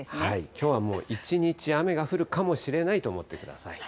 きょうはもう、一日雨が降るかもしれないと思ってください。